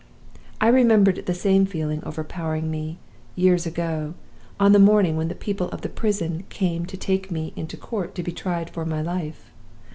I remembered the same feeling overpowering me, years ago, on the morning when the people of the prison came to take me into court to be tried for my life.